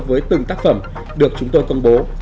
với từng tác phẩm được chúng tôi công bố